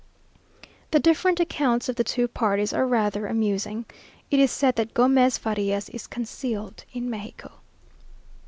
The different accounts of the two parties are rather amusing. It is said that Gomez Farias is concealed in Mexico....